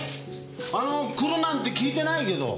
あの来るなんて聞いてないけど。